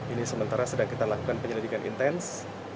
ini sementara sedang kita lakukan penyelidikan intens